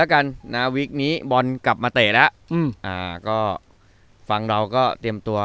แล้วกันนะวิกนี้บอลกลับมาเตะแล้วอืมอ่าก็ฟังเราก็เตรียมตัว